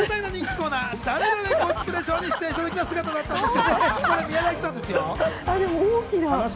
コスプレショーに出演した時の姿だったんです。